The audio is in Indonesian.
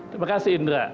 terima kasih indra